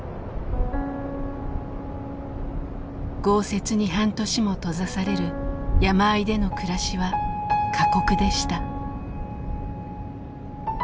豪雪に半年も閉ざされる山あいでの暮らしは過酷でした。